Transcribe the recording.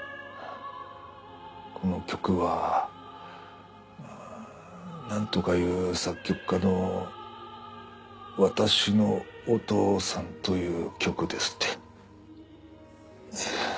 この曲は何とかいう作曲家の『私のお父さん』という曲ですって。